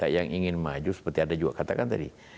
yang ingin maju seperti anda juga katakan tadi